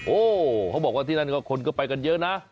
โอ้โหเขาบอกว่าที่นั่นก็คนก็ไปกันเยอะนะ